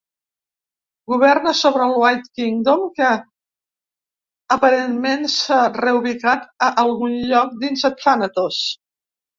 Governa sobre el White Kingdom, que aparentment s'ha reubicat a algun lloc dins de Thanatos.